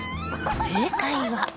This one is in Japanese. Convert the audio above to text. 正解は。